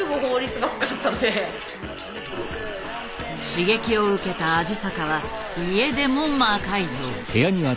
刺激を受けた鯵坂は家でも魔改造。